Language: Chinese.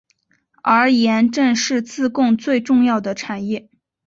而盐正是自贡最重要的产业。